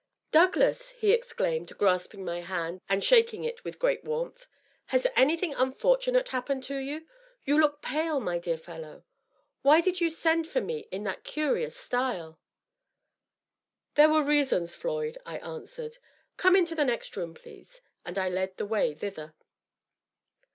" Douglas !" he exclaimed, grasping my hand and shaking it with great warmth. "Has anything unfortunate happened to you? You look pale, my dear fellow. Why did you send for me in that curious style r " There were reasons, Floyd," I answered. " Come into the next room, please ;" and I led the way thither.